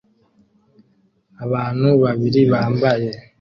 Abantu babiri bambaye